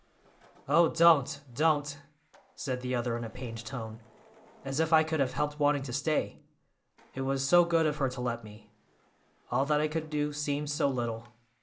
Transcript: "Oh, don't, don't!" said the other in a pained tone. "As if I could have helped wanting to stay! It was so good of her to let me. All that I could do seemed so little.